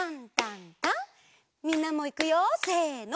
みんなもいくよせの。